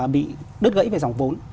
bị đứt gãy về dòng vốn